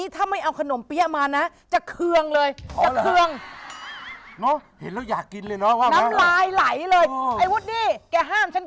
สำหรับป่าเทพโภคงามค่ะ